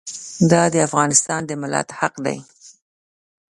دا د افغانستان د ملت حق دی.